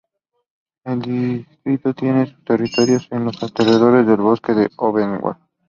El distrito tienen sus territorios en los alrededores del bosque del Odenwald.